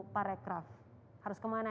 parekraf harus kemana